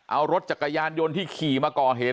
เอารถจักรยานยนต์ที่ขี่มาก่อเหตุ